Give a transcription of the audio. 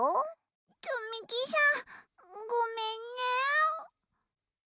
積み木さん、ごめんね。